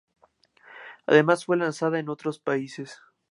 Además, fue lanzada en otros países.